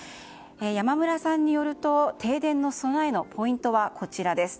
山村さんによると停電の備えのポイントはこちら。